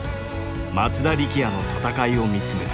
松田力也の戦いを見つめた。